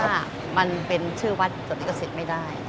ว่ามันเป็นชื่อวัดจดลิขสิทธิ์ไม่ได้